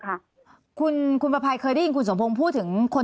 ค่ะคุณประภัยเคยได้ยินคุณสมพงศ์พูดถึงคน